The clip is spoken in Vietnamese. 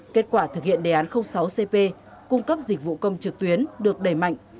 kết quả thực hiện đề án sáu cp cung cấp dịch vụ công trực tuyến được đẩy mạnh